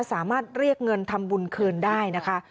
สามารถเรียกเงินทำบุญคืนได้นะคะ